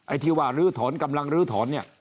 ไอ้ที่ว่าลื้อถอนกำลังลื้อถอนเนี่ย